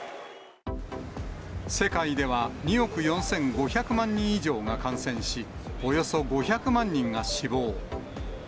世界では２億４５００万人以上が感染し、およそ５００万人が死亡。